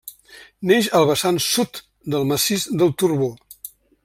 Neix al vessant sud del massís del Turbó.